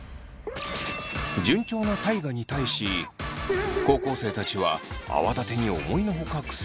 順調な大我に対し高校生たちは泡立てに思いの外苦戦していました。